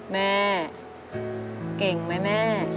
แม่เก่งไหมแม่